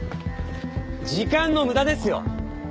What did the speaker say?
時間の無駄ですよ！